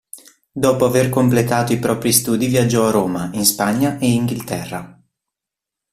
Dopo aver completato i propri studi viaggiò a Roma, in Spagna e Inghilterra.